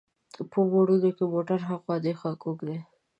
په موړونو کې موټر هاخوا دیخوا کوږ شو.